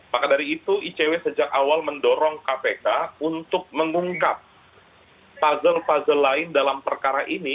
maka dari itu icw sejak awal mendorong kpk untuk mengungkap puzzle puzzle lain dalam perkara ini